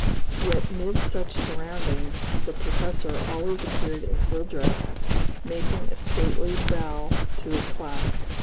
Yet mid such surroundings, the professor always appeared in full dress, making a stately bow to his class.